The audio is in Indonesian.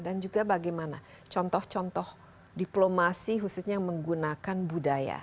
dan juga bagaimana contoh contoh diplomasi khususnya menggunakan budaya